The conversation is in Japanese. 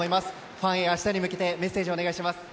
ファンへ、明日に向けてメッセージをお願いします。